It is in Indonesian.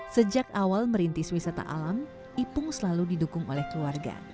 sejak awal merintis wisata alam ipung selalu didukung oleh keluarga